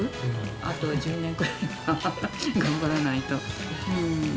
あと１０年ぐらいは頑張らないと。